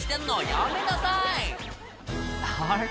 やめなさいあれ？